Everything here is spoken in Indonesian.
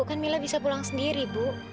kan mila bisa pulang sendiri bu